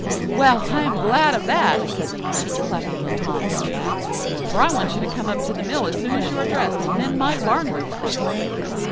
"'Well, I am glad of that,' said the Miller, clapping little Hans on the back, 'for I want you to come up to the mill as soon as you are dressed, and mend my barn roof for me.